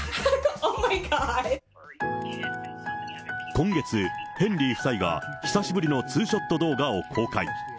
今月、ヘンリー夫妻が、久しぶりのツーショット動画を公開。